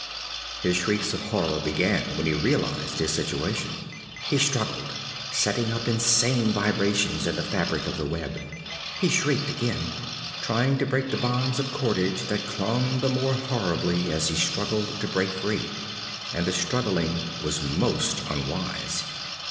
His shrieks of horror began when he realized his situation. He struggled, setting up insane vibrations in the fabric of the web. He shrieked again, trying to break the bonds of cordage that clung the more horribly as he struggled to break free. And the struggling was most unwise.